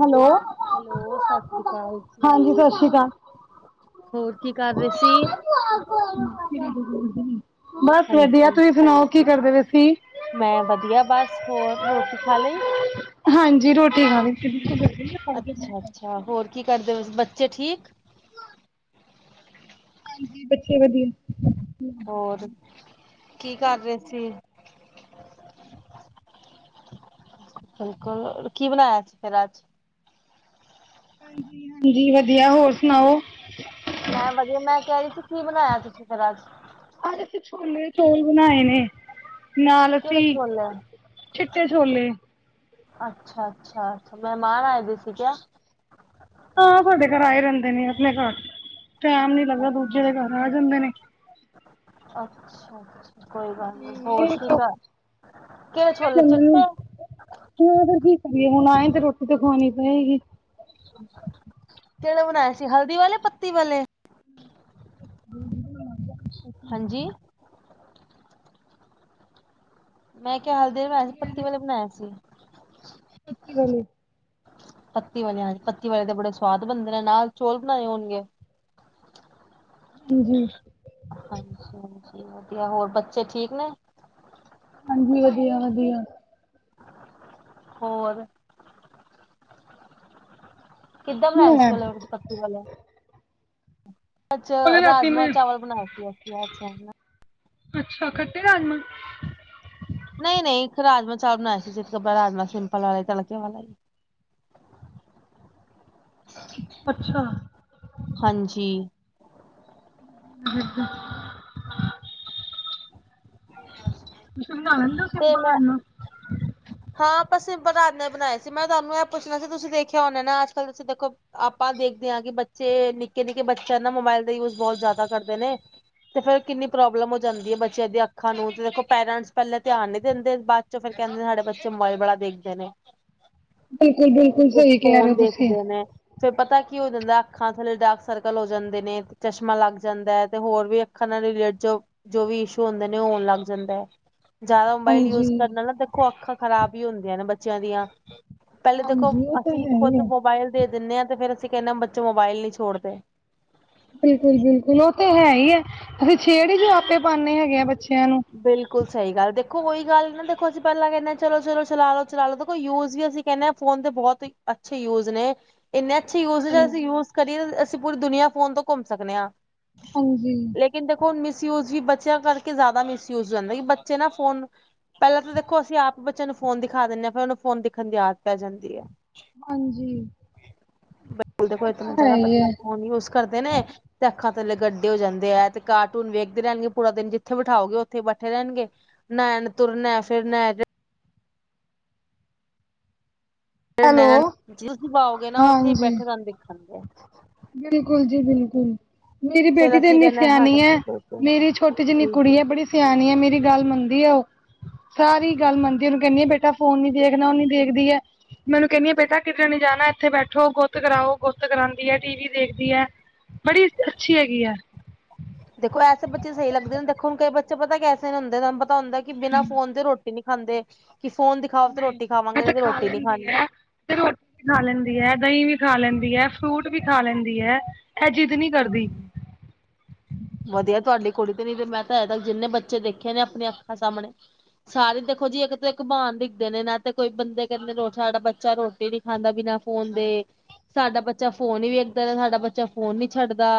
Hello, hello, Sat Sri ਅਕਾਲ ਜੀ। ਹਾਂਜੀ ਸਤਿ ਸ਼੍ਰੀ ਅਕਾਲ਼਼। ਹੋਰ ਕੀ ਕਰ ਰਹੇ ਸੀ? ਬਸ ਵਧੀਆ, ਹਾਂਜੀ, ਤੁਸੀਂ ਸੁਣਾਓ ਕੀ ਕਰਦੇ ਪਏ ਸੀ਼? ਮੈਂ ਵਧੀਆ, ਬਸ ਹੋਰ ਰੋਟੀ ਖਾ ਲਈ? ਕਿ ਦੇੜ [unintelligible] ਅੱਛਾ-ਅੱਛਾ, ਹੋਰ ਕੀ ਕਰਦੇ ਪਏ ਸੀ। ਬੱਚੇ ਠੀਕ ਹਾਂਜੀ, ਬੱਚੇ ਵਧੀਆ। ਹੋਰ, ਕੀ ਕਰ ਰਹੇ ਸੀ਼? ਬਿਲਕੁਲ ਕੀ ਬਣਾਇਆ ਸੀ ਫੇਰ ਅੱਜ। ਹਾਂਜੀ-ਹਾਂਜੀ ਵਧੀਆ ਹੋਰ ਸੁਣਾਓ? ਮੈਂ ਵਧੀਆ, ਮੈਂ ਕਹਿ ਰਹੀ ਸੀ ਕੀ ਬਣਾਇਆ ਤੁਸੀਂ ਫੇਰ ਅੱਜ਼? ਆੱਜ ਅਸੀਂ ਛੋਲੇ- ਚੋਲ ਬਣਾਏ ਨੇ। ਨਾਲ ਕਿਹੜੇ ਅਸੀਂ ਛੋਲੇ? ਛਿੱਟੇ ਛੋਲੇ। ਅੱਛਾ-ਅੱਛਾ ਮਹਿਮਾਨ ਆਏ ਦੇ ਸੀ, ਕਿਆ। ਹਾ ਸਾਡੇ ਘਰ ਆਏ ਰਂਹਦੇ ਨੇ, ਆਪਣੇ ਘਰ ਟੈਮ ਨੀ ਲੱਗਦਾ। ਦੂਜੇ ਦੇ ਘਰ ਆ ਜਾਂਦੇ ਨੇ। ਅੱਛਾ-ਅੱਛਾ। ਕੋਈ ਗੱਲ ਨੀ। ਹੋਰ ਕੀ ਹਾਂ ਕਰ ਕਿਹੜੈ ਛੋਲੇ, ਚਿੱਟੇ? ਹਾਂ ਫੇਰ ਕੀ ਕਰੀਏ। ਹੁਣ ਆਏਂ ਤੇ ਰੋਟੀ ਤੇ ਖਵਾਉਣੀ ਪਏਗੀ। ਕਿਹੜਾ ਬਣਾਇਆ ਸੀ ਹਲਦੀ ਵਾਲੇ, ਪੱਤੀ ਵਾਲੇ। ਹਾਂ [unintelligible] ਹਾਂਜੀ? ਮੈਂ ਕਿਹਾ ਹਲਦੀ ਵਾਲੇ ਬਣਾਇਆ ਸੀ, ਪੱਤੀ ਵਾਲੇ ਬਣਾਇਏ ਸੀ। ਪੱਤੀ ਵਾਲੇ। ਪੱਤੀ ਵਾਲੇ ਹਾਂਜੀ, ਪੱਤੀ ਵਾਲੇ ਦੇ ਬੜੇ ਸਵਾਦ ਬਣਦੇ ਨੇ, ਨਾਲ ਚੋਲ ਬਣਾਏ ਹੋਣਗੇ। ਜੀ ਹਾਂਜੀ ਹਾਂਜੀ, ਵਧੀਆ ਹੋਰ ਬੱਚੇ ਠੀਕ ਨੇ। ਹਾਂਜੀ ਵਧੀਆ ਵਧੀਆ ਹੋਰ ਕਿੱਦਾਂ ਬਣਾਇਆ ਸੀ, ਲੈ ਫੁੱਲ ਪੱਤੇ ਵਾਲਾ ਅੱਜ ਉਹਦੇ ਰਾਤੀ ਰਾਜਮਾਂ ਮੈਂ ਚਾਵਲ ਬਣਾਏ ਸੀ, ਅਸੀਂ ਅੱਜ ਹੈਨਾ ਅੱਛਾ, ਖਟੇ ਰਾਜਮਾ ਨਹੀਂ ਨਹੀਂ ਇੱਕ ਰਾਜਮਾ ਚਾਵਲ ਬਣਾਏ ਸੀ, ਸਿਰ੍ਫ ਰਾਜਮਾ, ਸਿੰਪਲ ਵਾਲੇ, ਤੜਕੇ ਵਾਲੇ। ਹ [unintelligible] ਅੱਛਾ। ਹਾਂਜੀ [inaudible] ਤੁਸੀਂ ਬਣਾ ਲੈਂਦੇ ਔ, ਤੇ ਸਿੰਪਲ ਮੈਂ ਰਾਜਮਾ। ਹਾਂ ਆਪਾਂ ਸਿੰਪਲ ਰਾਜ਼ ਨੇ ਬਣਾਏ ਸੀ, ਮੈਂ ਤੁਹਾਨੂੰ ਇਹ ਪੁੱਛਣਾ ਸੀ, ਤੁਸੀਂ ਵੇਖਿਆ ਹੋਣਾ ਨਾ ਅਜ ਕੱਲ, ਤੁਸੀਂ ਦੇਖੋ ਆਪਾਂ ਦੇਖਦੇ ਹਾਂ ਕਿ ਬੱਚੇ ਨਿੱਕੇ ਨਿੱਕੇ ਬੱਚਿਆਂ ਨਾ, ਮੋਬਾਇਲ ਦਾ ਯੂਜ ਬਹੁਤ ਜ਼ਿਆਦਾ ਕਰਦੇ ਨੇ। ਤੇ ਫੇਰ ਕਿੰਨੀ ਪ੍ਰੋਬਲਮ ਹੋ ਜਾਂਦੀ ਹੈ, ਬੱਚਿਆਂ ਦੀਆਂ ਅੱਖਾਂ ਨੂੰ, ਤੇ ਦੇਖੋ ਪੇਰੈਂਟਸ ਪਹਿਲਾਂ ਧਿਆਨ ਨੀ ਦਿੰਦੇ ਬਾਅਦ ਫਿਰ ਕਹਿੰਦੇ, ਸਾਡੇ ਬੱਚੇ ਮੋਬਾਇਲ ਬੜਾ ਦੇਖਦੇ ਨੇ। ਬਿਲਕੁਲ ਬਿਲਕੁਲ ਔ ਸਹੀ ਕਹਿ ਰਹੇ ਫੋਨ ਹੋ ਤੁਸੀਂ ਦੇਖਦੇ ਨੇ ਫੇਰ ਪਤਾ ਕੀ ਹੋ ਜਾਂਦਾ, ਅੱਖਾਂ ਥੱਲੇ ਡਾਰਕ ਸਰਕਲ ਹੋ ਜਾਂਦੇ ਨੇ, ਚਸ਼ਮਾ ਲੱਗ ਜਾਂਦਾ ਹੈ, ਤੇ ਹੋਰ ਵੀ ਅੱਖਾਂ ਨਾਲ ਰਿਲੇਟ ਜੋ, ਜੋ ਵੀ ਇਸ਼ੂ ਹੁੰਦੇ ਨੇ, ਉਹ ਹੋਣ ਲੱਗ ਜਾਂਦਾ ਹੈ। ਜ਼ਿਆਦਾ ਮੋਬਾਇਲ ਯੂਜ ਹਾਂਜੀ ਕਰਨਾ ਨਾ, ਦੇਖੋ ਅੱਖਾਂ ਖਰਾਬ ਹੀ ਹੁੰਦੀਆਂ ਨੇ ਬੱਚਿਆਂ ਦੀਆਂ। ਪਹਿਲੇ ਦੇਖੋ ਹਾਂਜੀ ਉਹ ਤਾਂ ਅਸੀਂ ਹੈ ਹੀ ਖੁਦ ਹੈ ਮੋਬਾਇਲ ਦੇ ਦਿੰਦੇ ਆਂ, ਤੇ ਫੇਰ ਅਸੀਂ ਕਹਿੰਨੇ ਆਂ, ਬੱਚੇ ਮੋਬਾਇਲ ਨਹੀਂ ਛੋੜਦੇ। ਬਿਲਕੁਲ ਬਿਲਕੁਲ, ਉਹ ਤੇ ਹੈ ਹੀ ਹੈ, ਅਸੀਂ ਛੇੜ ਹੀ ਜੋ ਆਪੇ ਪਾਉੇਨੇ ਹੈਗੇ ਆ, ਬੱਚਿਆਂ ਨੂੰ ਬਿਲਕੁਲ ਸਹੀ ਗੱਲ, ਦੇਖੋ ਕੋਈ ਗੱਲ ਨੀ ਨਾ, ਦੇਖੋ ਅਸੀਂ ਪਹਿਲਾਂ ਕਹਿੰਦੇ ਚਲੋ ਚਲੋ ਚਲਾ ਲੋ, ਚਲਾ ਲੋ, ਦੇਖੋ ਯੂਜ ਵੀ ਅਸੀਂ ਕਹਿੰਨੇ ਆ, ਫੋਨ ਦੇ ਬਹੁਤ ਹੀ ਅੱਛੇ ਯੂਜ ਨੇ ਇੰਨੇ ਅੱਛੇ ਯੂਜ ਨੇ, ਅਸੀਂ ਹਾਂਜੀ ਯੂਜ ਕਰੀਏ, ਅਸੀਂ ਪੂਰੀ ਦੁਨੀਆਂ ਫੋਨ ਤੋਂ ਘੁੰਮ ਸਕਨੇ ਆ। ਹਾਂਜੀ ਲੇਕਿਨ ਦੇਖੋ ਹੁਣ ਮਿਸਯੂਜ ਵੀ ਬੱਚਿਆਂ ਕਰਕੇ ਜ਼ਿਆਦਾ ਮਿਸਯੂਜ ਹੋ ਜਾਂਦਾ, ਬੱਚੇ ਨਾ ਫੋਨ ਪਹਿਲਾਂ ਤਾਂ ਦੇਖੋ ਅਸੀਂ ਆਪ ਬੱਚਿਆਂ ਨੂੰ ਫੋਨ ਦਿਖਾ ਦਿੰਦੇ ਆ, ਫਿਰ ਉਨਾਨੂੰ ਫੋਨ ਦਿਖਣ ਦੀ ਆਦਤ ਪੈ ਜਾਂਦੀ ਐ। ਹਾਂਜੀ ਉਹ ਉਹ ਦੇਖੋ ਇਤਨਾ ਤਾਂ ਹੈ ਜ਼ਿਆਦਾ ਹੀ ਬੱਚਾ, ਹੈ ਫੋਨ ਨਹੀਂ ਹੋ ਸਕਦਾ ਕਰਦੇ ਨੇ, ਤੇ ਅੱਖਾਂ ਥੱਲੇ ਗੱਡੇ ਹੋ ਜਾਂਦੇ ਐ, ਤੇ ਕਾਰਟੂਨ ਵੇਖਦੇ ਰਹਿਣਗੇ ਪੂਰਾ ਦਿਨ, ਜਿੱਥੇ ਬਿਠਾਓਗੇ ਉਥੇ ਉੱਥੇ ਬੈਠੇ ਰਹਿਣਗੇ, ਨਾ ਐ ਨੇ ਤੁਰਨਾ ਫਿਰਨਾ ਜ ਹੈਲੋ ਨੈਣ ਜੋ ਤੁਸੀਂ ਬਾਓਗੇ ਨਾ, ਉੱਥੇ ਹੀ ਹਾਂਜੀ ਬੈਠੇ ਤੁਹਾਨੂੰ ਦਿਖਣਗੇ। ਬਿਲਕੁਲ ਜੀ ਬਿਲਕੁਲ ਮੇਰੀ ਫੇਰ ਬੇਟੀ ਤੇ ਅਸੀਂ ਇੰਨੀ ਕਹਿੰਦੇ ਸਿਆਣੀ ਹੈ, ਸਾਡਾ ਮੇਰੀ ਛੋਟੀ ਜਿੰਨੀ ਜੀ ਕੁੜੀ ਜੀ ਹੈ, ਬੜੀ ਸਿਆਣੀ ਐ, ਮੇਰੀ ਗੱਲ ਮੰਨਦੀ ਐ ਉਹ ਸਾਰੀ ਗੱਲ ਮੰਨਦੀ ਐ, ਉਹਨੂੰ ਕਹਿੰਦੀ ਆ ਬੇਟਾ ਫੋਨ ਨੀ ਦੇਖਣਾ, ਉਹ ਨੀ ਦੇਖਦੀ ਐ। ਮੈ ਔਨੂੰ ਕਹਿੰਦੀ ਆ, ਬੇਟਾ ਕਿਧਰੇ ਨੀ ਜਾਣਾ, ਇੱਥੇ ਬੈਠੋ ਗੁੱਤ ਕਰਾਓ ਗੁੱਤ ਕਰਾਉਦੀ ਹੈ। ਟੀ ਵੀ ਦੇਖਦੀ ਹੈ, ਬੜੀ ਅੱਛੀ ਹੈਗੀ ਐ ਦੇਖੋ ਐਸੇ ਬੱਚੇ ਸਹੀ ਲੱਗਦੇ ਨੇ, ਦੇਖੋ ਹੁਣ ਕਈ ਬੱਚ ਪਤਾ ਕੈਸੇ ਹੁੰਦੇ, ਤੁਹਾਨੂੰ ਪਤਾ ਹੁੰਦਾ ਕਿ ਬਿਨਾਂ ਫੋਨ ਤੇ ਰੋਟੀ ਰੋਟੀ ਨੀ ਖਾਂਦੇ, ਕਿ ਫੋਨ ਦਿਖਾਓ ਤੇ ਨਹੀਂ ਰੋਟੀ ਇਹ ਖਾਵਾਂਗੇ, ਨਹੀ ਤੇ ਖਾ ਰੋਟੀ ਨੀ ਲੈਂਦੀ ਖਾਣੀ ਹੈ ਤੇ ਰੋਟੀ ਵੀ ਖਾ ਲੈਂਦੀ ਹੈ, ਦਹੀਂ ਵੀ ਖਾ ਲੈਂਦੀ ਹੈ, ਫਰੂਟ ਵੀ ਖਾ ਲੈਂਦੀ ਹੈ। ਏਹ ਜਿੰਦ ਨੀ ਹੂ ਕਰਦੀ ਵਧੀਆ ਤੁਹਾਡੀ ਕੁੜੀ ਤੇ, ਨੀ ਤੇ ਮੈਂ ਤਾਂ ਅਜੇ ਤੱਕ ਜਿੰਨੇ ਬੱਚੇ ਦੇਖੇ ਨੇ ਆਪਣਿਆਂ ਅੱਖਾਂ ਦੇ ਸਾਹਮਣੇ ਸਾਰੇ ਦੇਖੋ ਜੀ ਇੱਕ ਤਾਂ ਇੱਕ ਬਾਨ ਦਿਖਦੇ ਨੇ ਨਾ, ਤੇ ਕੋਈ ਬੰਦੇ ਕਹਿੰਦੇ ਰ ਸਾਡਾ ਬੱਚਾ ਰੋਟੀ ਨੀ ਖਾਂਦਾ ਪੀਨਾ ਫੋਨ ਦੇ, ਸਾਡਾ ਬੱਚਾ ਫੋਨ ਹੀ ਵੀ ਵੇਖਦਾ, ਸਾਡਾ ਬੱਚਾ ਫੋਨ ਨੀ ਛੱਡਦਾ,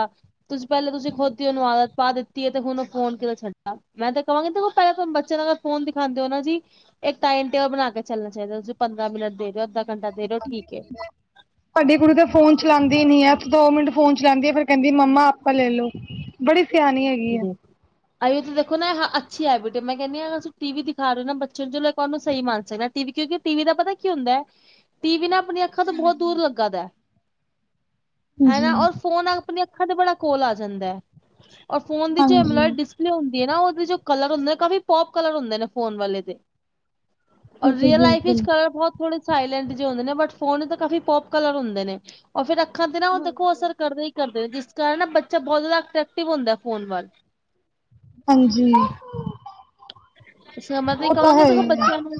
ਤੁਸੀਂ ਪਹਿਲਾਂ ਤੁਸੀਂ ਖੁਦ ਹੀ ਉਹਨੂੰ ਆਦਤ ਪਾ ਦਿੱਤੀ ਤੇ ਹੁਣ ਉਹ ਫੋਨ ਕਿਵੇਂ ਛਡੇਗਾ, ਮੈਂ ਤਾਂ ਕਹਾਂਗੀਖੋ ਪਹਿਲਾਂ ਬੱਚੇ ਨਾਲ ਫੋਨ ਦਿਖਾਉਂਦੇ ਹੋ ਨਾ ਜੀ ਇੱਕ ਟਾਈਮ ਟੇਬਲ ਬਣਾ ਕੇ ਚੱਲਣਾ ਚਾਹੀਦਾ ਤੁਸੀਂ ਪੰਦਰਾਂ ਮਿੰਟ ਦੇ ਰਹੇ ਅੱਧਾ ਘੰਟਾ ਦੇ ਦਿਹੇ ਠੀਕ ਹੈ ਸਾਡੀ ਕੁੜੀ ਤਾਂ ਫੋਨ ਚਲਾਉਂਦੀ ਨੀ ਆ ਦੋ ਮਿੰਟ ਫੋਨ ਚਲਾਉਂਦੀ ਆ ਫੇਿਰ ਕਹਿੰਦੀ ਮੰਮਾ ਆਪਾ ਲੈ ਲੋ ਬੜੀ ਸਿਆਣੀ ਹੈਗੀ ਆ ਅਸੀਂ ਤਾਂ ਦੇਖੋ ਨਾ ਅੱਛੀ ਹੈ ਬੇਟੇ ਮੈਂ ਕਹਿੰਦੀ ਹ ਅਸੀਂ ਟੀ ਵੀ ਦਿਖਾ ਰਹੇ ਹੋ ਨਾ ਬੱਚਿਆਂ ਨੂੰ ਚਲ ਉਹਨੂੰ ਸਹੀ ਮੰਨ ਸਕਦੇ ਕਿਉਂਕਿ ਟੀ ਵੀ ਦਾ ਪਤਾ ਕੀ ਹੁੰਦਾ ਹੈ ਟੀ ਵੀ ਨਾ ਆਪਣੀਆਂ ਅੱਖਾਂ ਤੋਂ ਬਹੁਤ ਦੂਰ ਲੱਗਾ ਦਾ ਹਨਾ ਜੀ ਔਰ ਫੋਨ ਆਪਣੀਆਂ ਅੱਖਾਂ ਤੇ ਬੜਾ ਕੋਲ ਆ ਜਾਂਦਾ ਹੈ ਔਰ ਫੋਨ ਦੀ ਜੈ ਬਲਰ ਹਾਂਜੀ ਹੁੰਦੀ ਹੈ ਨਾ ਉਹਦੇ ਜੋ ਕਲਰ ਹੁੰਦੇ ਨੇ ਕਾਫੀ ਪੋਪ ਕਲਰ ਹੁੰਦੇ ਨੇ ਫੋਨ ਵਾਲੇ ਦੇ ਔਰ ਬਿਲਕੁਲ ਰੀਅਲ ਲਾਈਫ ਵਿਚ ਬਿਲਕੁਲ ਕਰ ਬਹੁਤ ਥੋੜੇ ਸਾਇਲੈਂਟ ਜਿ ਹੁੰਦੇ ਨੇ ਬਟ ਫੋਨ ਤਾਂ ਕਾਫੀ ਪੋਪ ਕਲਰ ਹੁੰਦੇ ਨੇ ਉਹ ਫਿਰ ਅੱਖਾਂ ਤੇ ਨਾ ਉਹ ਦੇਖੋ ਅਸਰ ਕਰਦੇ ਹੀ ਕਰਦੇ ਨੇ ਜਿਸ ਕਾਰਨ ਨਾ ਬੱਚਾ ਬਹੁਤ ਜ਼ਿਆਦਾ ਅਟ੍ਰੈਕਟਿਵ ਹੁੰਦਾ ਫੋਨ ਵੱਲ ਹਾਂਜੀ ਸਮਝ ਵਿ ਉਹ ਹੈ ਕਵਾਂਗੇ ਤਾਂ ਹੀ ਹੈ। ਬੱਚਿਆਂ ਨੂੰ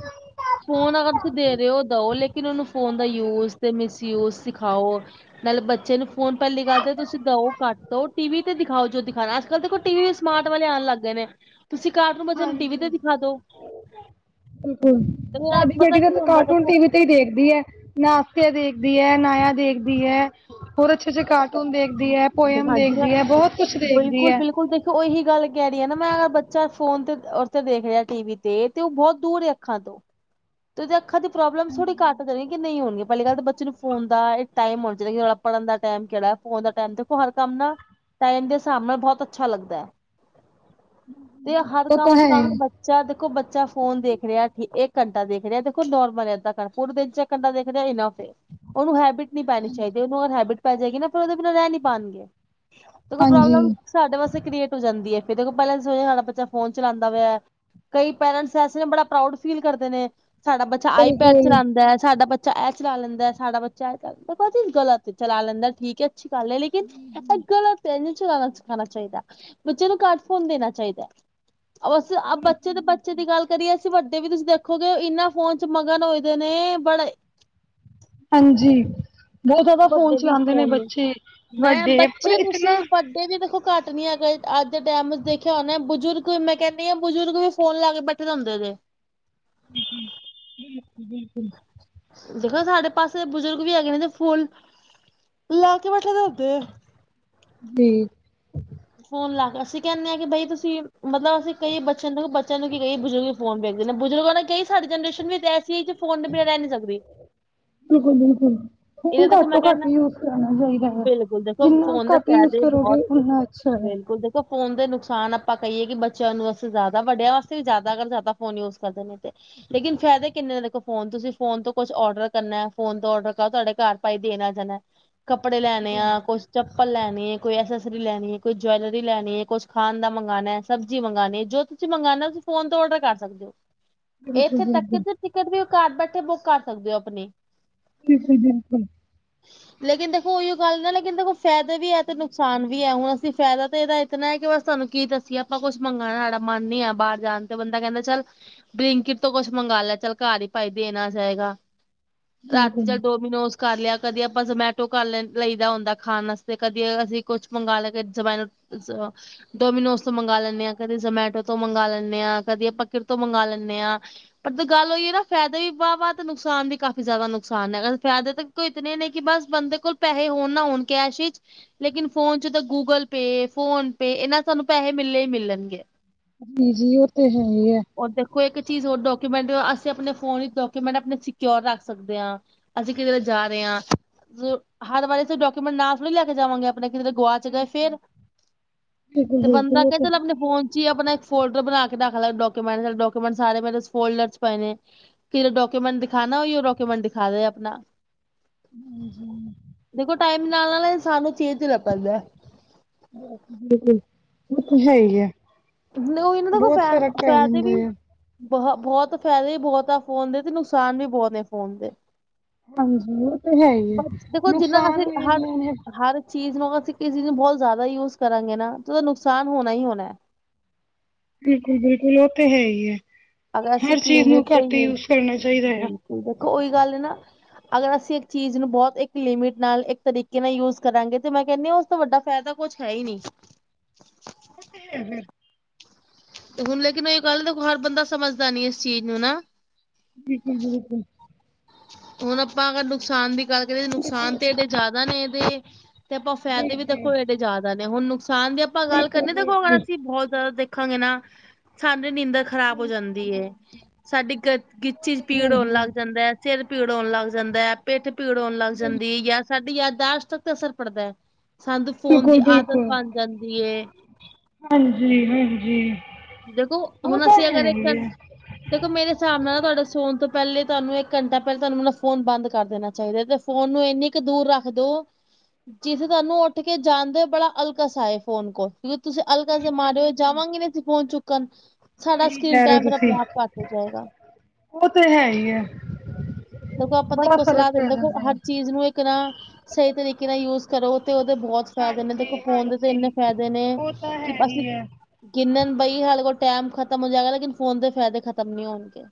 ਫ਼ੋਨ ਅਗਰ ਤੁਸੀਂ ਦੇ ਰਹੇ ਹੋ ਦਿਓ ਲੇਕਿਨ ਉਹਨੂੰ ਫੋਨ ਦਾ ਯੂਜ ਤੇ ਮਿਸਯੂਜ ਸਿਖਾਓ ਨਾਲ ਬੱਚੇ ਨੂੰ ਫੋਨ ਪਹਿਲੀ ਗੱਲ ਤੇ ਤੁਸੀਂ ਦਿੳ ਕੱਟ ਦਓ ਟੀ ਵੀ ਤੇ ਦਿਖਾਓ ਜੋ ਦਿਖਾਉਣਾ ਅੱਜ ਕੱਲ ਤੇ ਟੀ ਵੀ ਵੀ ਸਮਾਰਟ ਵਾਲੇ ਆਉਣ ਲੱਗ ਗਏ ਨੇ ਤੁਸੀਂ ਕਾਰਟੂਨ ਬੱਚਿਆਂ ਨੂੰ ਟੀ ਵੀ ਹਾਂਜੀ ਤੇ ਦਿਖਾ ਦੋ ਬਿਲਕੁਲ ਤੇ ਨਾਲ ਸਾਡੀ ਪਤਾ ਬੇਟੀ ਕੀ ਤਾਂ ਹੁੰਦਾ ਕਾਰਟੂਨ ਦੇਖੋ ਟੀ ਵੀ ਤੇ ਹੀ ਦੇਖਦੀ ਹੈ ਨਾਸਤੇ ਦੇਖਦੀ ਹੈ ਨਾਇਆ ਦੇਖਦੀ ਹੈ ਹੋਹੁਰ ਅੱਛੇ ਅੱਛੇ ਕਾਰ ਦੇਖਦੀ ਹੈ ਪੋਇਮ ਹਾਂਜੀ ਦੇਖਦੀ ਹੈ ਬਹੁਤ ਕੁਛ ਦੇਖਦੀ ਹੈ ਇਹੀ ਗੱਲ ਕਹਿ ਰਹੀ ਹੈ ਨਾ ਮੈਂ ਅਗਰ ਬੱਚਾ ਫੋਨ ਤੇ ਉਥ ਦੇਖ ਰਿਹਾ ਟੀ ਵੀ ਤੇ ਤੇ ਉਹ ਬਹੁਤ ਦੂਰ ਹੀ ਅੱਖਾਂ ਤੋਂ ਤੇ ਉਹਦੇ ਅੱਖਾਂ ਦੀ ਪ੍ਰੋਬਲਮਸ ਥੋੜੀ ਘੱਟ ਦੇਗੀ ਨਹੀਂ ਹੋਣੀਆਂ ਪਹਿਲੀ ਗੱਲ ਤਾਂ ਬੱਚੇ ਨੂੰ ਫੋਨ ਦਾ ਇਹ ਟਾਈਮ ਹੋਣਾ ਚਾਹੀਦਾ ਕਿ ਪੜਨ ਦਾ ਟਾਈਮ ਕਿਹੜਾ ਪਰਣ ਦਾ ਟਮ ਦੇਖੋ ਹਰ ਕੰਮ ਨਾ ਟਾਈਮ ਦੇ ਹਿਸਾਬ ਨਾਲ ਬਹੁਤ ਅੱਛਾ ਲੱਗਦਾ ਹੈ ਤੇ ਹਰ ਉਹ ਕੰਮ ਤਾਂ ਅਸੀ ਹੈ ਕਾਂਗੇ ਹੀ ਬੱਚ ਏਹਿ ਦੇਖੋ ਬੱਚਾ ਫੋਨ ਦੇਖ ਰਿਹਾ ਠੀ ਇਹ ਘੰਟਾ ਦੇਖ ਰਿਹਾ ਦੇਖੋ ਨੋਰਮਲ ਏਦਾਂ ਤਾਂ ਪੂਰੇ ਦਿਨ ਚ ਕੰਦਾ ਦੇਖਦੇ ਇਨਾ ਫ ਉਹਨੂੰ ਹੈਬਿਟ ਨਹੀਂ ਪੈਣੀ ਚਾਹੀਦੀ ਉਹਨੂੰ ਹੈਬਿਟ ਪੈ ਜਾਏਗੀ ਨਾ ਫਿਰ ਉਹਦੇ ਬਿਨਾਂ ਰਹਿ ਨਹੀਂੀ ਪਾਉਣਗੇ ਤਾਂ ਕੋਈ ਹਾਂਜੀ ਪ੍ਰੋਬਲਮ ਸਾਡੇ ਵਾਸਤੇ ਕ੍ਰਏਟ ਹੋ ਜਾਂਦੀ ਫਿਰ ਜਦੋਂ ਪਹਿਲਾ ਤਾਂ ਸਾਡਾ ਬੱਚਾ ਫੋਨ ਚਲਾਉਂਦਾ ਪਿਆ ਕਈ ਪੇਰੈਂਟਸ ਐਸੇ ਨੇ ਬੜਾ ਪ੍ਰਊਡ ਫੀਲ ਕਰਦੇ ਨੇ ਸਾਡਾ ਬੱਚਾ ਆਈਪੈਡ ਬਿਲਕੁਲ ਚਲਾਉਂਦਾ ਹੈ ਸਾਡਾ ਬੱਚਾ ਇਹ ਚਲਾ ਲੈਂਦਾ ਸ ਸਾਡਾ ਬੱਚਾ ਇਹ ਚਲਾ ਲੈਂਦਾਤਾ ਚੀਜ਼ ਗਲਤ ਚਲਾ ਲੈਂਦਾ ਠੀਕ ਗਲ ਆ ਲੇਕਿਨ ਐ ਤਾਂ ਗਲਤ ਹੈ ਨਹੀਂ ਚਲਾਣਾ ਚਾਹੀਦਾ ਬੱਚੇ ਨੂੰ ਘਟ ਫੋਨ ਦੇਣਾ ਚਾਹੀਦਾ ਉਹ ਅਸੀਂ ਬੱਚੇ ਤੇ ਬੱਚੇ ਦੀ ਗੱਲ ਕਰੀਏ ਅਸੀਂ ਵੱਡੇ ਵੀ ਤੁਸੀਂ ਦੇਖ ਦੇਖੋਗੇ ਇਨਾਂ ਫੋਨ ਚ ਮਗਨ ਹੋਏ ਦੇ ਨੇ ਬੜੇ ਹਾਂਜੀ ਬਹੁਤ ਜ਼ਿਆਦਾ ਫੋਨ ਵੱਡੇ ਵੀ ਚਲਾਉਂਦੇ ਨੇ ਫੋਨ ਬੱਚੇ ਮੈਂ ਵੱਡੇ ਪਰ ਬੱਚੇ ਇੱਕ ਨਾ ਤੁਸੀਂ ਵੱਡੇ ਵੀ ਦੇਖੋ ਘੱਟ ਨੀ ਹੈਗੇ ਅੱਜ ਦੇ ਟਾਈਮ ਦੇਖਿਆ ਉਹਨਾ ਬਜ਼ੁਰਗ ਵੀ ਮੈਂ ਕਹਿੰਦੀ ਹਾਂ ਬਜ਼ੁਰਗ ਵੀ ਫੋਨ ਲਾ ਕੇ ਬੈਠੇ ਹੁੰਦੇ ਦੇ ਜੀ ਬਿਲਕੁਲ ਬਿਲਕੁਲ ਦੇਖੋ ਸਾਡੇ ਪਾਸੇ ਦੇ ਬਜ਼ੁਰਗ ਵੀ ਹੈਗੇ ਨੇ ਫੁੱਲ ਲਾ ਕੇ ਬੈਠੇ ਦ ਉਦੇ ਆ ਵੀ ਫੋਨ ਲਾਗਸੀ ਕਹਿੰਦੇ ਆ ਕਿ ਬਈ ਤੁਸੀਂ ਮਤਲਬ ਅਸੀਂ ਕਈ ਬੱਚਿਆਂ ਨੂੰ ਬੱਚਿਆਂ ਨੂੰ ਕੀ ਕਹੀਏ ਬਜ਼ੁਰਗ ਫੋਨ ਵੇਖਦੇ ਬਜ਼ੁਰਗਾਂ ਨੂੰ ਕਈ ਸਾਡੀ ਜਨਰੇਸ਼ਨ ਵੀ ਤਾਂ ਐਸੀ ਜੇ ਫੋਨ ਤੋਂ ਬਿਨਾ ਰਹਿ ਨੀ ਸਕਦੀ ਬਿਲਕੁਲ ਬਿਲਕੁਲ ਫੋਨ ਇਹਦੇ ਦੇਖੋ ਘੱਟ ਤੋਂ ਮੈਂ ਘੱਟ ਕਹਿੰਦਾ ਯੂਜ ਕਰਨਾ ਚਾਹੀਦਾ ਹੈ। ਬਿਲਕੁਲ ਦੇਖੋ ਜਿੰਨਾ ਫੋਨ ਦੇ ਘੱਟ ਯੂਜ ਫਾਇਦੇ ਬਹੁਤ ਕਰੋਗੇ ਉਨਾ ਅੱਛਾ ਹੈ। ਬਿਲਕੁਲ ਦੇਖੋ ਫੋਨ ਦੇ ਨੁਕਸਾਨ ਆਪਾਂ ਕਹੀਏ। ਕਿ ਬੱਚਿਆਂ ਨੂੰ ਵਾਸਤੇ ਜ਼ਿਆਦਾ ਵੱਡਿਆਂ ਵਾਸਤੇ ਵੀ ਜ਼ਿਆਦਾ ਅਗਰ ਜ਼ਿਆਦਾ ਫੋਨ ਯੂਜ ਕਰਦੇ ਨੇ ਤੇ। ਲੇਕਿਨ ਫਾਇਦੇ ਕਿੰਨੇ ਨੇ ਦੇਖੋ ਫੋਨ ਤੁਸੀਂ ਫੋਨ ਤੋਂ ਕੁਛ ਔਡਰ ਕਰਨਾ ਫੋਨ ਔਡਰ ਕਰੋ ਤੁਹਾਡੇ ਘਰ ਭਾਈ ਦੇਣ ਆ ਜਾਣਾ ਕੱਪੜੇ ਲੈਣੇ ਆ, ਕੁਛ ਚੱਪਲ ਲੈਣੀ ਹੈ, ਕੋਈ ਐਸਸਰੀ ਲੈਣੀ ਹੈ। ਕੋਈ ਜੁਵੈਲਰੀ ਲੈਣੀ ਹੈ, ਕੁਛ ਖਾਣ ਦਾ ਮੰਗਵਾਉਣਾ ਹੈ, ਸਬਜ਼ੀ ਮੰਗਵਾਉਣੀ ਹੈ, ਜੋ ਤੁਸੀਂ ਮੰਗਉਣਾ ਹੋ ਤੁਸੀਂ ਫੋਨ ਤੋਂ ਔਡਰ ਕਰ ਸਕਦੇ ਹੋ। ਇੱਥੇ ਤੱਕ ਟਿਕਟ ਵੀ ਘਰ ਬੈਠੇ ਬੁੱਕ ਕਰ ਸਕਦੇ ਹੋ ਆਪਣੀ। ਬਿਲਕੁਲ -ਬਿਲਕੁਲ। ਲੇਕਿਨ ਦੇਖੋ ਉਹੀ ਗੱਲ ਨਾ ਲੇਕਿਨ ਦੇਖੋ ਫਾਇਦੇ ਵੀ ਹੈ। ਤੇ ਨੁਕਸਾਨ ਵੀ ਹੈ। ਹੁਣ ਅਸੀਂ ਫਾਇਦਾ ਤਾਂ ਇਹਦਾ ਇਤਨਾ ਹੈ ਕਿ ਬਸ ਤੁਹਾਨੂੰ ਕੀ ਦੱਸੀਏ। ਆਪਾਂ ਕੁਛ ਮੰਗਣਾ ਸਾਡਾ ਮਨ ਨੀ ਆ ਬਾਹਰ ਜਾਣ ਤੇ ਬੰਦਾ ਕਹਿੰਦਾ ਚੱਲ ਬਲਿੰਕਟ ਤੋਂ ਕੁਛ ਮੰਗਵਾ ਲਿਆ ਚੱਲ ਘਰ ਹੀ ਭਾਈ ਦੇਣਾ ਜਾਏਗਾ। ਰਾਤੀ ਚਲ ਡੋਮੀਨੋਜ ਕਰ ਲਿਆ। ਕਦੀ ਆਪਾਂ ਜਮੈਟੋ ਕਰ ਲੈ ਲਈਦਾ ਹੁੰਦਾ ਖਾਣ ਆਸਤੇ ਕਦੀ ਅਸੀਂ ਕੁਛ ਮੰਗ ਲਿਆ। [unintelligible] ਡੋਮੀਨੋਜ਼ ਤੋਂ ਮੰਗਵਾ ਲੈਣੇ ਹਾਂ, ਕਦੇ ਜਮੈਟੋ ਤੋਂ ਮੰਗਵਾ ਲੈਣੇ ਆ, ਕਦੇ ਕਦੀ ਆਪਾ ਕਿਧਰੇ ਤੋਂ ਮੰਗਵਾ ਲੈਣੇ ਆ। ਪਰ ਗੱਲ ਹੋਈਏ ਨਾ ਫਾਇਦੇ ਵੀ ਵਾਹ- ਵਾਹ ਤੇ ਨੁਕਸਾਨ ਵੀ ਕਾਫ਼ੀ ਜ਼ਿਆਦਾ ਨੁਕਸਾਨ ਹੈ। ਅਗ ਫਾਇਦੇ ਦਾ ਤੇ ਇਤਨ ਨੇ ਕਿ ਬਸ ਬੰਦੇ ਕੋਲ ਪੈਸੇ ਹੋਣ ਨਾ ਹੋਣ ਕੈਸ਼ ਹੀ। ਲੇਕਿਨ ਫੋਨ ਚ' ਤਾਂ ਗੂਗਲ ਪੇ ਫੋਨ, ਪੇ ਇਹਨਾਂ ਸਾਨੂੰ ਪੈਸੇ ਮਿਲੇ ਹੀ ਮਿਲਣਗੇ। ਜੀ -ਜੀ ਉਹ ਤੇ ਹੈ ਹੀ ਹੈ। ਉਹ ਦੇਖੋ ਇੱਕ ਚੀਜ਼ ਹੋਰ ਡਾਕੂਮੈਂਟ ਅਸੀਂ ਆਪਣੇ ਫੋਨ ਡਾਕੂਮੈਂਟ ਆਪਣੇ ਸਕਿਕਿਓਰ ਰੱਖ ਸਕਦੇ ਹਾਂ। ਅਸੀਂ ਕਿਧਰੇ ਵ ਜਾ ਰਹੇ ਹਾਂ। ਹਰ ਵਾਰੀ ਅਸੀਂ ਡਾਕੂਮੈਂਟ ਨਾ ਥੋੜੀ ਲੈ ਕੇ ਜਾਵਾਂਗੇ। ਆਪਣੇ ਕਿਧਰੇ ਗਵਾਚ ਗਏ ਫੇਰ। ਤੇ ਬੰਦਾ ਕਹਿੰਦਾ ਲੈ ਆਪਣੇ ਫੋਨ ਚ' ਹੀ ਆਪਣਾ ਇੱਕ ਫੋਲਡਰ ਬਣਾ ਕੇ ਰੱਖ ਲ਼ੈ। ਡਾਕੂਮੈਂਟੇ- ਡਾਕੂਮੈਂਟ ਸਾਰੇ ਮੇਰੇ ਫੋਲਡਰ ਚ' ਪਏ ਨੇ। ਕਿ ਡਾਕੂਮੈਂਟ ਦਿਖਾ ਨਾ, ਉਈ ਉਹ ਡਾਕੂਮੈਂਟ ਦਿਖਾ ਦੇ ਆਪਣਾ। ਹਾਂਜੀ। ਦੇਖੋ ਟਾਈਮ ਨਾਲ- ਨਾਲ ਸਾਨੂੰ ਚੇਂਜ ਲਗਣ ਦਿਆ। ਬਿਲਕੁਲ, ਉਹ ਤੇ ਹੈ ਹੀ ਹੈ। ਉਹ ਇਹਨਾਂ ਦਾ ਕੋਈ ਫੈ- ਫੈਦੇ ਵੀ ਜਾਂਦਾ ਬਹੁ- ਬਹੁਤ ਫ਼ਾਇਦੇ ਵੀ ਬਹੁਤ ਆ। ਫੋਨ ਦੇ ਤੇ ਨੁਕਸਾਨ ਵੀ ਬਹੁਤ ਨੇ ਫੋਨ ਦੇ। ਬ ਦੇਖੋ, ਜਿੰਨਾ ਨੁਕਸਾਨ ਅਸੀਂ ਵੀ ਹਰ- ਇੰਨੇ ਨੇ ਹਰ ਚੀਜ਼ ਨੂੰ ਅਸੀਂ ਕਿਸੀ ਚੀਜ਼ ਨੂੰ ਬਹੁਤ ਜ਼ਿਆਦਾ ਯੂਜ ਕਰਾਂਗੇ ਨਾ। ਤੇ ਉਹਦਾ ਨੁਕਸਾਨ ਹੋਣਾ ਹੀ ਹੋਣਾ। ਬਿਲਕੁਲ -ਬਿਲਕੁਲ ਉਹ ਤੇ ਹੈ ਹੀ ਹੈ। ਅਗਰ ਅਸੀਂ ਹਰ ਇੱਕ ਚੀਜ਼ ਨੂੰ ਲਿਮਿਟ ਤੇ ਘੱਟ ਯੂਜ ਕਰਨਾ ਚਾਹੀਦਾ ਆ। ਬਿਲਕੁਲ ਦੇਖੋ, ਉਹੀ ਗੱਲ ਨਾ। ਅਗਰ ਅਸੀਂ ਇੱਕ ਚੀਜ਼ ਨੂੰ ਬਹੁਤ ਇੱਕ ਲਿਮਿਟ ਨਾਲ ਇੱਕ ਤਰੀਕੇ ਨਾਲ ਯੂਜ ਕਰਾਂਗੇ ਤੇ, ਮੈਂ ਕਹਿਨੀ ਆ ਤੋਂ ਵੱਡਾ ਫਾਇਦਾ ਕੁਛ ਹੈ ਹੀ ਨਹੀਂ। ਹੂੰ- ਹੂੰ। ਹੁਣ ਲੇਕਿਨ ਉਹ ਇਹ ਗੱਲ ਹਰ ਬੰਦਾ ਸਮਝਦਾ ਨੀ ਇਸ ਚੀਜ਼ ਨੂੰ ਨਾ। ਬਿਲਕੁਲ ਜੀ, ਬਿਲਕੁਲ। ਹੁਣ ਆਪਾਂ ਅਗਰ ਨੁਕਸਾਨ ਦੀ ਗੱਲ ਕਰੀਏ ਨੁਕਸਾਨ ਤੇ ਇਦੇ ਜ਼ਿਆਦਾ ਨੇ ਤੇ। ਤੇ ਆਪਾਂ ਜੀ, ਫਾਇਦੇ ਵੀ ਜੀ, ਦੇਖੋ ਇਹਦੇ ਜ਼ਿਆਦਾ ਨੇ। ਹੁਣ ਨੁਕਸਾਨ ਦੀ ਆਪਾਂ ਗੱਲ ਬਿਲਕੁਲ, ਕਰਨੀ ਦੇਖੋ ਅਗਰ ਬਿਲਕੁਲ। ਅਸੀਂ ਬਹੁਤ ਜ਼ਿਆਦਾ ਦੇਖ ਦੇਖਾਂਗੇ। ਨਾ ਸਾਡੀ ਨੀਂਦ ਖ਼ਰਾਬ ਹੋ ਜਾਂਦੀ ਹੈ। ਸਾਡੀ ਗ- ਗਿੱਚੀ ਚ' ਪੀੜ ਹੋਣ ਲੱਗ ਜਾਂਦਾ ਹੈ। ਸਿਰ ਭੀੜ ਹੋਣ ਲੱਗ ਜਾਂਦਾ ਹੈ। ਪਿੱਠ ਭੀੜ ਹੋਣ ਲੱਗ ਜਾਂਦੀ। ਜਾਂ ਸਾਡੀ ਯ ਦਾਸ਼ਤ ਤੱਕ ਅਸਰ ਪੜਦਾ ਹੈ। ਸਾਨੂੰ ਫੋਨ ਦੀ ਬਿਲਕੁਲ, ਆਦਤ ਬਿਲਕੁਲ। ਬਣ ਜਾਂਦੀ ਏ। ਹਾਂਜੀ- ਹਾਂਜੀ। ਦੇਖੋ, ਉਹ ਹੁਣ ਤਾਂ ਅਸੀਂ ਅਗਰ ਹੈ ਇੱਕ ਹੀ ਹੈ। ਦੇਖੋ, ਮੇਰੇ ਹਿਸਾਬ ਨਾਲ ਨਾ ਤੁਹਾਡੇ ਸੋਨ ਤੋਂ ਪਹਿਲੇ ਤੁਹਾਨੂੰ ਇੱਕ ਘੰਟਾ ਪਹਿਲ ਤੁਹਾਨੂੰ ਮ ਫੋਨ ਬੰਦ ਕਰ ਦੇਣਾ ਚਾਹੀਦਾ। ਤੇ ਫੋਨ ਨੂੰ ਇਨ ਕੂ ਦੂਰ ਰੱਖਦੋ ਜਿੱਥੇ ਤੁਹਾਨੂੰ ਉੱਠ ਕੇ ਜਾਣਦੇ ਹੋ ਬੜਾ ਅਲਕਸ ਫੋਨ ਕੋਲ ਕਿਉਕਿ ਤੁਸੀਂ ਅਲਕਸ ਮਾਰੋ ਜਾਵਾਂਗੇ ਨਹੀਂ ਇੱਥੇ ਪਹੁੰਚ ਚੁੱਕਣ ਸਾਡਾ ਸਹੀ ਸਕੀਨ ਕਹਿ ਰਹੇ ਹੋ ਟਾਇਮ ਤੁਸੀਂ ਆਪਣੇ- ਆਪ ਘੱਟ ਹੋ ਜਾਏਗਾ। ਉਹ ਤੇ ਹੈ ਹੀ ਹੈ। ਦੇਖੋ, ਆਪਾਂ ਤੇ ਬੜਾ ਫ਼ਰਕ ਸਲਾਹ ਪੈ ਦਿੰਦੇ ਦੇਖੋ ਜਾਂਦਾ ਹੈ। ਹਰ ਚੀਜ਼ ਨੂੰ ਇੱਕ ਨਾ ਸਹੀ ਤਰੀਕੇ ਨਾਲ ਯੂਜ ਕਰੋ ਤੇ ਉਹਦੇ ਬਹੁੱਤ ਫਾਇਦੇ ਨੇ ਦੇਖੋ ਹਾਂਜੀ ਫੋਨ ਦੇ ਤੇ ਇੰਨੇ ਹਾਂਜੀ ਫ਼ਾਇਦੇ ਨੇ। ਉਹ ਤਾਂ ਕਿ ਹੈ ਅਸੀਂ ਹੀ ਹੈ ਗਿਨਣ ਬਹੀਏ ਸਾਡੇ ਕੋਲ ਟਾਈਮ ਖਤਮ ਹੋ ਜਾਏਗਾ। ਲੇਕਿਨ ਫੋਨ ਦੇ ਫਾਇਦੇ ਖਤਮ ਨਹੀਂ ਹੋਣਗੇ।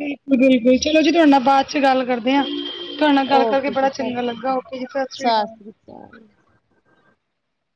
ਬਿਲਕੁੱਲ- ਬਿਲਕੁੱਲ ਚਲੋ ਜੀ। ਤੁਹਾਡੇ ਨਾਲ ਬਾਅਦ ਚ' ਗੱਲ ਕਰਦੇ ਹਾਂ। ਤੁਹਾਡੇ ਨਾਲ ਗੱਲ ਕਰਕੇ ਓਕੇ ਬੜਾ ਜੀ ਚੰਗਾ ਲੱਗਾ ਓਕੇ ਜੀ ਸਤਿ ਸ੍ਰੀ ਅਕਾਲ ਤਾਂ [unintelligible]